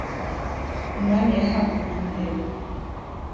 umwami yahabwaga intego